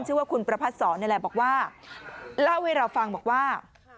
ชื่อว่าคุณประพัดศรนี่แหละบอกว่าเล่าให้เราฟังบอกว่า